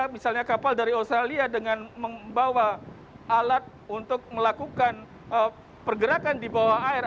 misalnya kapal dari australia dengan membawa alat untuk melakukan pergerakan di bawah air